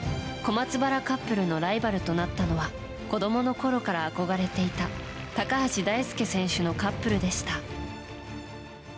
小松原カップルのライバルとなったのは子供のころから憧れていた高橋大輔選手のカップルでした。